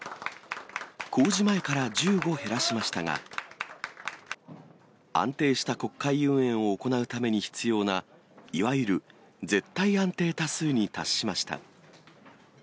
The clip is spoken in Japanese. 公示前から１５減らしましたが、安定した国会運営を行うために必要な、いわゆる絶対安定多数に達しました。